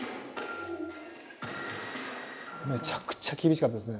めちゃくちゃ厳しかったですね。